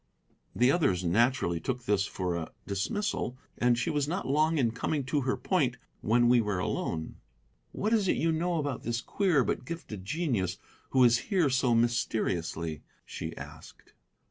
The others naturally took this for a dismissal, and she was not long in coming to her point when we were alone. "What is it you know about this queer but gifted genius who is here so mysteriously?" she asked.